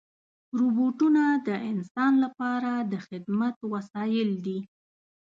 روبوټونه د انسان لپاره د خدمت وسایل دي.